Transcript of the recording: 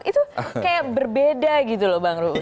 itu kayak berbeda gitu loh bang ruhut